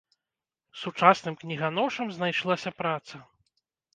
Сучасным кніганошам знайшлася праца.